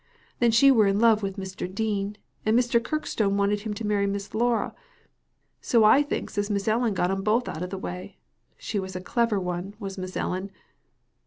Then she were in love with Mr. Dean, and Mr. Kirkstone wanted him to marry Miss Laura ; so I thinks as Miss Ellen got 'em both out of the way. She was a clever one, was Miss Ellen."